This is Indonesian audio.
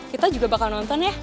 kita juga bakal nonton ya